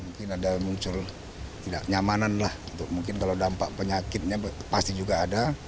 mungkin ada muncul tidak nyamanan lah untuk mungkin kalau dampak penyakitnya pasti juga ada